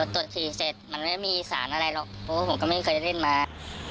ตรวจฉี่เสร็จมันไม่มีสารอะไรหรอกเพราะว่าผมก็ไม่เคยเล่นมา